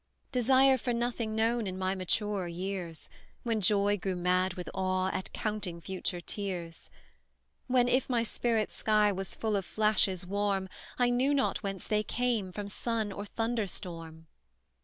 "Desire for nothing known in my maturer years, When Joy grew mad with awe, at counting future tears. When, if my spirit's sky was full of flashes warm, I knew not whence they came, from sun or thunder storm.